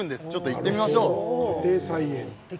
行ってみましょう。